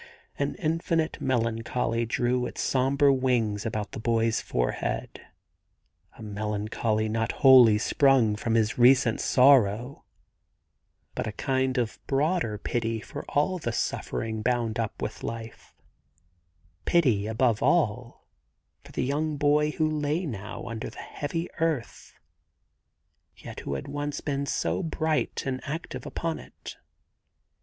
An infinite melancholy drew its sombre wings about the boy's forehead — a melan choly not wholly sprung from his recent sorrow, but a kind of broader pity for all the suffering bound up with life : —pity, above all, for the young boy who lay now under the heavy earth, yet who had once been so bright and active upon it.